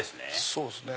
そうですね。